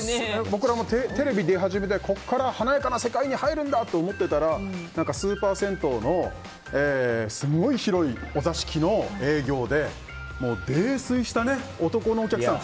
僕らもテレビ出始めでここから華やかな世界に入るんだと思ってたらスーパー銭湯のすごい広いお座敷の営業で泥酔した男のお客さん